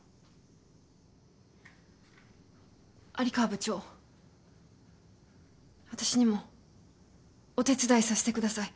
有川部長私にもお手伝いさせてください。